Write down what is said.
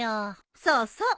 そうそう。